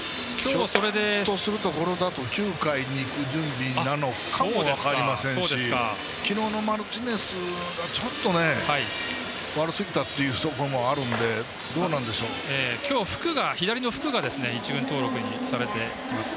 ひょっとすると９回にいく準備なのかも分かりませんし昨日のマルティネスがちょっと悪すぎたというのもあるので今日、左の福が１軍登録されています。